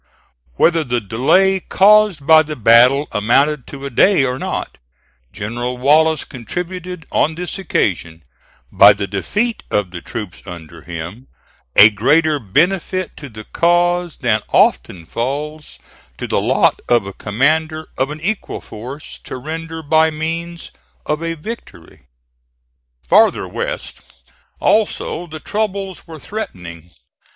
Whether the delay caused by the battle amounted to a day or not, General Wallace contributed on this occasion, by the defeat of the troops under him a greater benefit to the cause than often falls to the lot of a commander of an equal force to render by means of a victory. Farther west also the troubles were threatening.